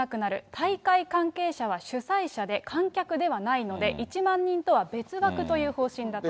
大会関係者は主催者で、観客ではないので、１万人とは別枠という方針だと。